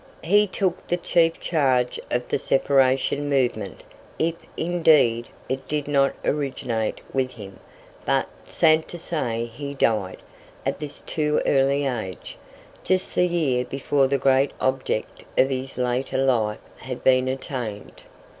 He took the chief charge of the separation movement, if, indeed, it did not originate with him; but, sad to say, he died, at this too early age, just the year before the great object of his later life had been attained.